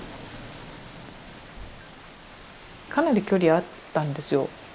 かなり距離あったんですよ。